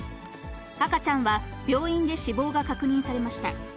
赤ちゃんは病院で死亡が確認されました。